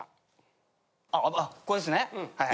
これですねはい。